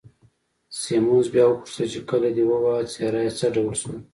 سیمونز بیا وپوښتل چې، کله دې وواهه، څېره یې څه ډول شوه؟